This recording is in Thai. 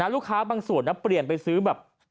ลูกค้าบางส่วนเปลี่ยนไปซื้อแบบ